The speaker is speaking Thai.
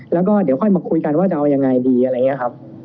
แล้วก็เดี๋ยวค่อยมาคุยกันว่าจะเอายังไงดีอะไรอย่างนี้ครับ